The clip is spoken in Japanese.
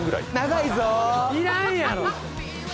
いらんやろ！